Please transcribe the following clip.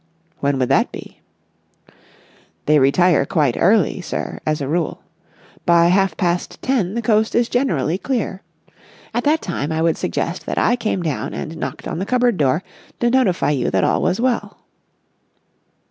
"When would that be?" "They retire quite early, sir, as a rule. By half past ten the coast is generally clear. At that time I would suggest that I came down and knocked on the cupboard door to notify you that all was well."